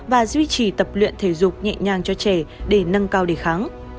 và duy trì tập luyện thể dục nhẹ nhàng cho trẻ để nâng cao đề kháng